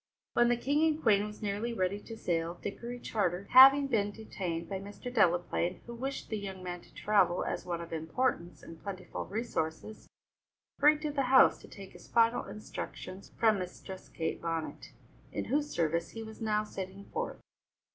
When the King and Queen was nearly ready to sail, Dickory Charter, having been detained by Mr. Delaplaine, who wished the young man to travel as one of importance and plentiful resources, hurried to the house to take his final instructions from Mistress Kate Bonnet, in whose service he was now setting forth.